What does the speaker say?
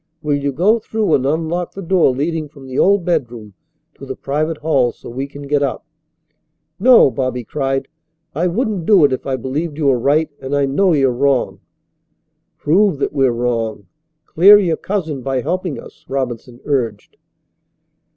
Will you go through and unlock the door leading from the old bedroom to the private hall so we can get up?" "No," Bobby cried, "I wouldn't do it if I believed you were right. And I know you're wrong." "Prove that we're wrong. Clear your cousin by helping us," Robinson urged.